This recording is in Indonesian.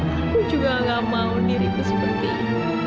aku juga tidak mau diriku seperti itu